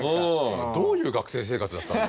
どういう学生生活だったの。